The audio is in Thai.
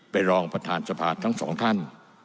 เป็นรองประธานสภาทั้งสองท่าน